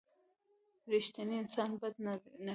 رښتینی انسان بد نه کوي.